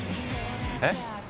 えっ？